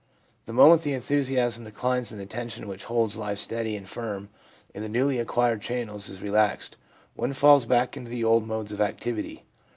The moment the enthusiasm declines and the tension which holds life steady and firm in the newly acquired channels is re laxed, one falls back into the old modes of activity.